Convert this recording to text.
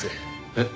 えっ？